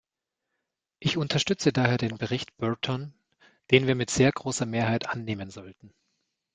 Ich unterstütze daher den Bericht Burtone, den wir mit sehr großer Mehrheit annehmen sollten.